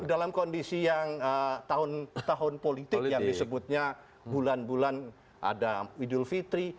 dalam kondisi yang tahun politik yang disebutnya bulan bulan ada idul fitri